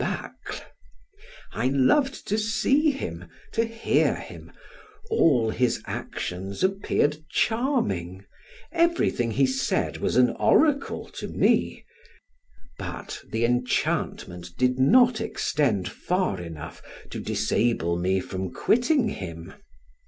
Bacle. I loved to see him, to hear him, all his actions appeared charming, everything he said was an oracle to me, but the enchantment did not extend far enough to disable me from quitting him.